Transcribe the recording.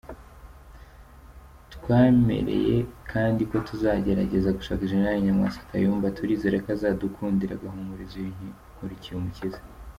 Twamereye kandi ko tuzagerageza gushaka Général Nyamwasa Kayumba, turizera ko azadukundira agahumuriza uyu Nkurikiyumukiza.